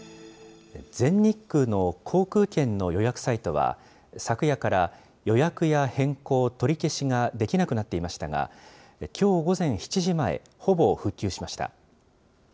全日空の航空券の予約サイトは、昨夜から予約や変更、取り消しができなくなっていましたが、きょう午前７時前、ほぼ復旧しました。